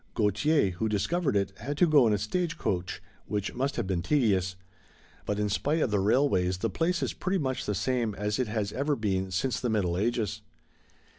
Gautier, who discovered it, had to go in a stage coach, which must have been tedious. But in spite of the railways the place is pretty much the same as it has been ever since the Middle Ages.